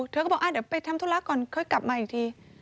เธอก็บอกเดี๋ยวไปทำธุระก่อนค่อยกลับมาอีกที